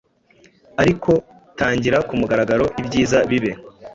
Ariko tangira kumugaragaro, ibyiza bibe